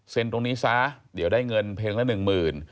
ตรงนี้ซะเดี๋ยวได้เงินเพลงละหนึ่งหมื่น